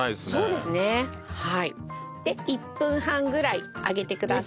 で１分半ぐらい揚げてください。